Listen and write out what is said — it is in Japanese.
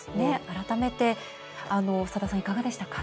改めて、佐田さんいかがでしたか？